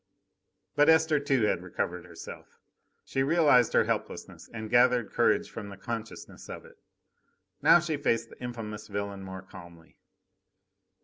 But Esther, too, had recovered herself. She realised her helplessness, and gathered courage from the consciousness of it! Now she faced the infamous villain more calmly.